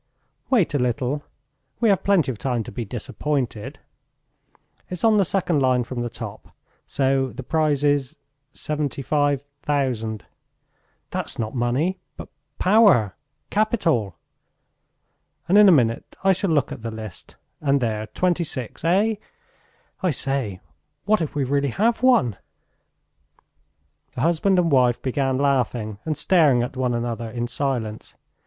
"Wait a little. We have plenty of time to be disappointed. It's on the second line from the top, so the prize is seventy five thousand. That's not money, but power, capital! And in a minute I shall look at the list, and there 26! Eh? I say, what if we really have won?" The husband and wife began laughing and staring at one another in silence.